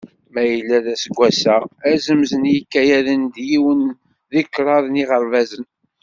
Ma yella d aseggas-a, azemz n yikayaden d yiwen deg kṛaḍ n yiɣerbazen.